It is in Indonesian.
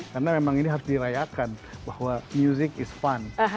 karena memang ini harus dirayakan bahwa music is fun